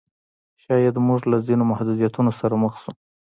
شاید موږ له ځینو محدودیتونو سره مخ شو.